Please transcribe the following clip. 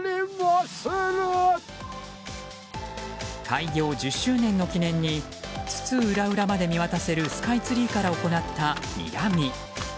開業１０周年の記念に津々浦々まで見渡せるスカイツリーから行った、にらみ。